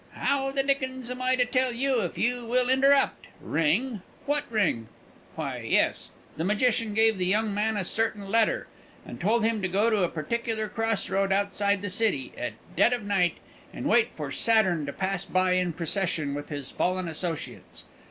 "How the dickens am I to tell you, if you will interrupt? Ring! What ring? Why, yes; the magician gave the young man a certain letter, and told him to go to a particular cross road outside the city, at dead of night, and wait for Saturn to pass by in procession, with his fallen associates.